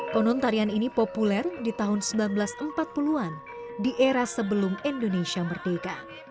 konon tarian ini populer di tahun seribu sembilan ratus empat puluh an di era sebelum indonesia merdeka